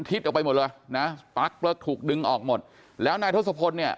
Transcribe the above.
ออกไปหมดเลยนะปั๊กแล้วถูกดึงออกหมดแล้วนายทศพลเนี่ย